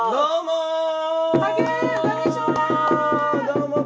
どうも！